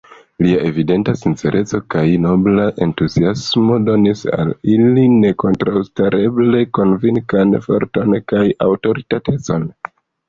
Lia evidenta sincereco kaj nobla entuziasmo donis al ili nekontraŭstareble konvinkan forton kaj aŭtoritatecon.